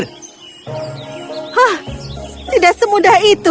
hah tidak semudah itu